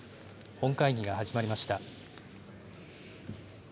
本会議が始まりました。